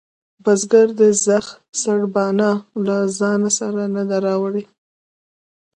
بزگر د زخ سرباڼه له ځانه سره نه ده راوړې.